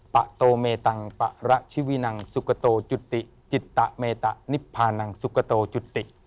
ปะโตเมตังปะระชิวินังสุกโตจุติจิตตะเมตะนิพพานังสุกโตจุติ